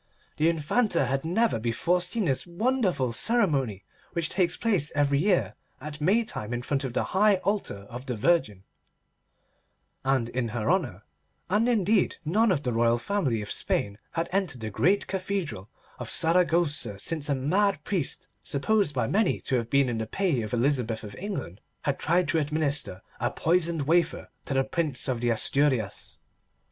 The Infanta had never before seen this wonderful ceremony which takes place every year at Maytime in front of the high altar of the Virgin, and in her honour; and indeed none of the royal family of Spain had entered the great cathedral of Saragossa since a mad priest, supposed by many to have been in the pay of Elizabeth of England, had tried to administer a poisoned wafer to the Prince of the Asturias.